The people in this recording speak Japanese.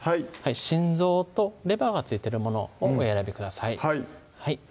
心臓とレバーがついてるものをお選びください